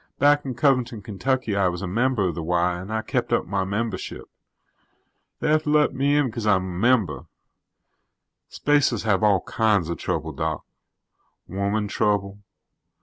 "Back in Covington, Kentucky, I was a member of the Y and I kept up my membership. They have to let me in because I'm a member. Spacers have all kinds of trouble, Doc. Woman trouble.